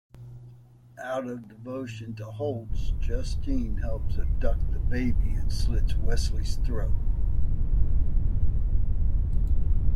Out of devotion to Holtz, Justine helps abduct the baby and slits Wesley's throat.